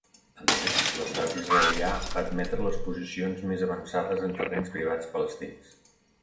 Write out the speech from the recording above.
A més, l'Estat israelià va admetre les posicions més avançades en terrenys privats palestins.